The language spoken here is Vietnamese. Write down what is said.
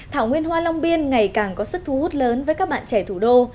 thảo nguyên hoa long biên ngày càng có sức thu hút lớn với các bạn trẻ thủ đô